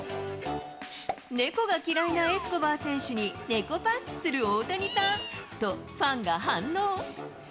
猫が嫌いなエスコバー選手に猫パンチする大谷さんと、ファンが反応。